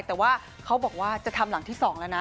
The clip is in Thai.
แต่ว่าเขาบอกว่าจะทำหลังที่๒แล้วนะ